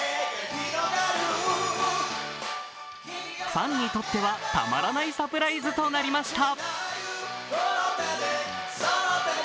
ファンにとってはたまらないサプライズとなりました。